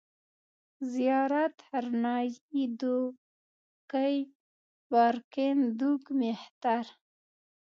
زيارت، هرنايي، دوکۍ، بارکن، دوگ، مېختر